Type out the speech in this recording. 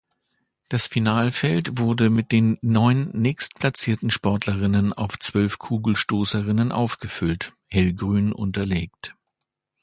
Das Finalfeld wurde mit den neun nächstplatzierten Sportlerinnen auf zwölf Kugelstoßerinnen aufgefüllt (hellgrün unterlegt).